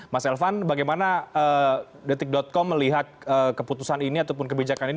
mas elvan bagaimana detik com melihat keputusan ini ataupun kebijakan ini